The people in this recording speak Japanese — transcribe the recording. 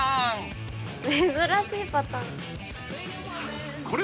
珍しいパターン。